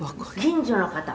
「近所の方？」